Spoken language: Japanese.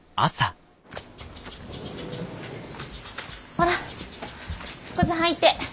ほら靴履いて。